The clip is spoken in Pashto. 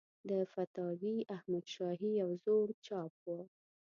د فتاوی احمدشاهي یو زوړ چاپ و.